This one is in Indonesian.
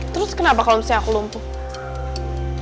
terus kenapa kalau misalnya aku lumpuh